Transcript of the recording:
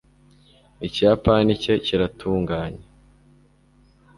ikiyapani cye kiratunganye